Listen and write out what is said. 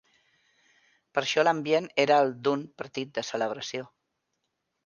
Per això l'ambient era el d'un partit de celebració.